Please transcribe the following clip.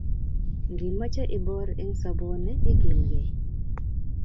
ngimeche iboor eng soboni igilgei